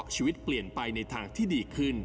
ชีวิตเปลี่ยนไปในทางที่ดีขึ้น